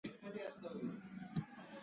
وسله د خور د سترګو اوښکې راوباسي